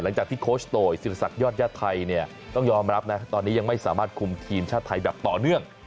หลังจากที่โคชโตยศิริษักยอดญาติไทยเนี่ยต้องยอมรับนะตอนนี้ยังไม่สามารถคุมทีมชาติไทยแบบต่อเนื่อง